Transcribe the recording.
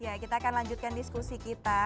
ya kita akan lanjutkan diskusi kita